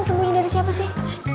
sembunyi dari siapa sih